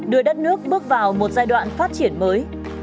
đưa đất nước bước vào một giai đoạn phát triển mới